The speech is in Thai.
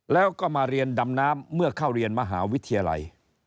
แล้วก็มาเรียนดำน้ำเมื่อเข้าเรียนมหาวิทยาลัย